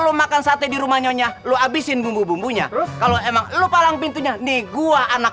lu makan sate di rumahnya lu abisin bumbu bumbunya kalau emang lu palang pintunya nih gua anak